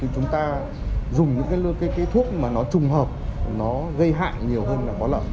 chúng ta dùng những cái thuốc mà nó trùng hợp nó gây hại nhiều hơn là có lợn